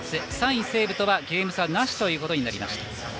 ３位の西武とはゲーム差なしとなりました。